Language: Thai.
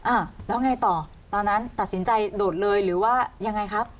อ่ะแล้วไงต่อตอนนั้นตัดสินใจโดดเลยหรือว่ายังไงครับ